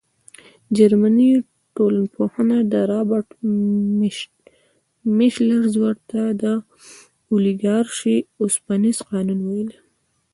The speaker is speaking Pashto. جرمني ټولنپوه رابرټ میشلز ورته د اولیګارشۍ اوسپنیز قانون ویلي.